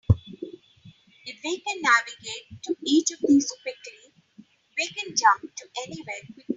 If we can navigate to each of these quickly, we can jump to anywhere quickly.